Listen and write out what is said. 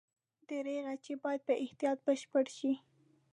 دریغه چې باید په احتیاط بشپړ شي.